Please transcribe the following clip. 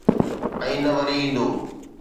۽ وري نه ايندو.